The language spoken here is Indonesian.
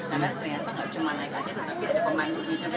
karena ternyata gak cuma naik naik tapi ada pemandu yang menjelaskan